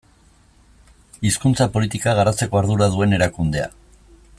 Hizkuntza politika garatzeko ardura duen erakundea.